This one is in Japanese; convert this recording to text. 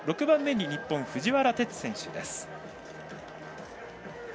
６番目に日本、藤原哲選手。